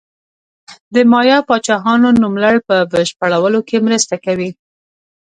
د مایا پاچاهانو نوملړ په بشپړولو کې مرسته کوي.